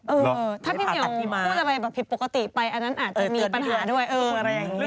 เออถ้าพี่เหมียวพูดอะไรแบบผิดปกติไปอันนั้นอาจจะมีปัญหาด้วยเอออะไรอย่างนี้